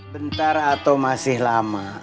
bentar atau masih lama